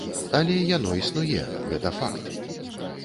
Але яно існуе, гэта факт!